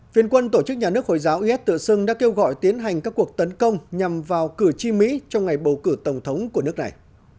phiền quân tổ chức nhà nước hồi giáo is tự xưng đã kêu gọi tiến hành các cuộc tấn công nhằm vào cử tri mỹ trong ngày bầu cử tổng thống của nước này